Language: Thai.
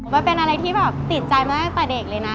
มันเป็นอะไรที่แบบติดใจมาตั้งแต่เด็กเลยนะ